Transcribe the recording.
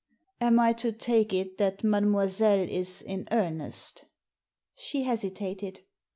"Am I to take it that mademoiselle is in earnest?" She hesitated.